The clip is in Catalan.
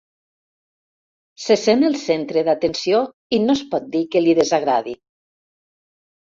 Se sent el centre d'atenció i no es pot dir que li desagradi.